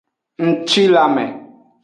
Ngcilanme.